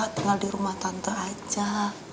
tinggal dirumah tante aja